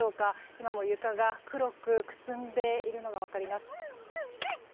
今も床が黒くくすんでいるのが分かります。